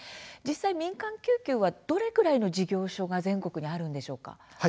実際、民間救急はどれくらいの事業所が全国にあるんでしょうか。